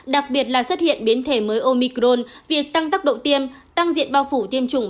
đặc biệt là xuất hiện biến thể mới omicron việc tăng tốc độ tiêm tăng diện bao phủ tiêm chủng